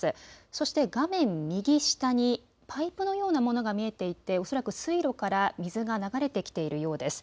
そして、画面右下にパイプのようなものが見えていておそらく水路から水が流れてきているようです。